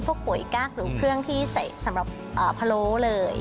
ปุ๋ยกั๊กหรือเครื่องที่ใส่สำหรับพะโล้เลย